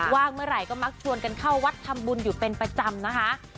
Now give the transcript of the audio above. ว่างเมื่อไหร่ก็มักชวนกันเข้าวัดทำบุญอยู่เป็นประจำนะคะ